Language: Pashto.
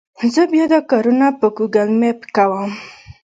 زه بیا دا کارونه په ګوګل مېپ کوم.